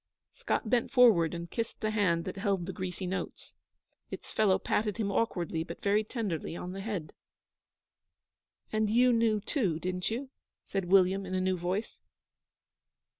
Scott bent forward and kissed the hand that held the greasy notes. Its fellow patted him awkwardly but very tenderly on the head. 'And you knew, too, didn't you?' said William, in a new voice.